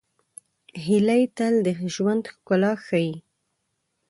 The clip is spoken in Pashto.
هیلۍ تل د ژوند ښکلا ښيي